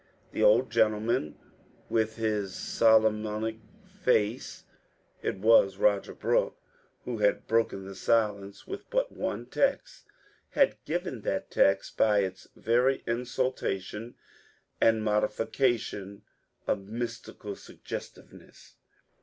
The old gentleman, with his Solomonic face (it was Roger Brooke), who had broken the silence with but one text, had given that text, by its very insulation and modification, a mys tical suggestiveness.